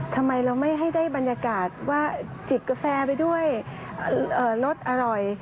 ทำไมเราไม่ให้ได้บรรยากาศว่าจิบกาแฟไปด้วยรสอร่อย